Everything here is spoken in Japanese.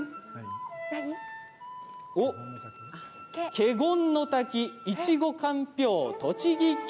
華厳の滝、いちご、かんぴょう栃木県。